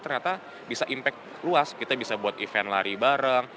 ternyata bisa impact luas kita bisa buat event lari bareng